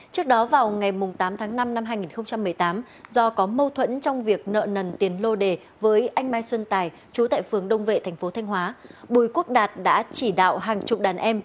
trước đó vào ngày tám tháng năm năm hai nghìn một mươi tám do có mâu thuẫn trong việc nợ nần tiền lô đề với anh mai xuân tài chú tại phường đông vệ thành phố thanh hóa bùi quốc đạt đã chỉ đạo hàng chục đàn em